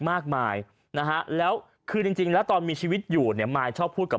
มากมายนะฮะแล้วคือจริงแล้วตอนมีชีวิตอยู่เนี่ยมายชอบพูดกับ